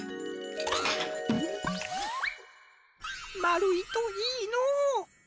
まるいといいのう。